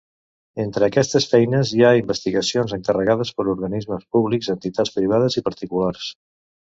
Entre aquestes feines, hi ha investigacions encarregades per organismes públics, entitats privades i particulars.